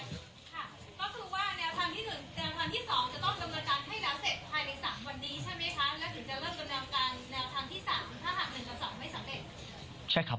ก็คือว่าแนวทางที่๑แจงไว้นะครับ